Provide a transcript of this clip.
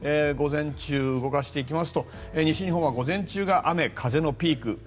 午前中動かしていきますと西日本は午前中が雨、風のピーク。